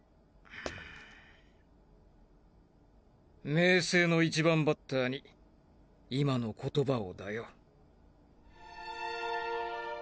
明青の１番バッターに今の言葉をだよ。